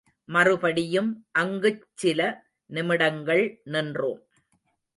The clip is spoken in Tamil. மறுபடியும் அங்குச் சில நிமிடங்கள் நின்றோம்.